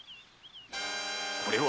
これは！